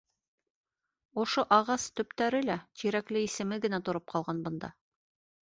Ошо агас төптәре лә, Тирәкле исеме генә тороп ҡалған бында.